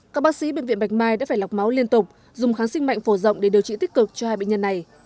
các bác sĩ bệnh viện bạch mai đã phải lọc máu liên tục dùng kháng sinh mạnh phổ rộng để điều trị tích cực cho hai bệnh nhân này